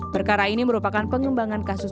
perkara ini merupakan pengembangan kasus